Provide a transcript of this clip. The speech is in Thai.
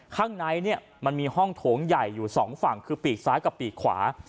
ข้างในเนี่ยมันมีห้องโถงใหญ่อยู่สองฝั่งคือปีกซ้ายกับปีกขวา